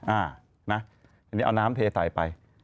อันนี้เอาน้ำเทใส่ไป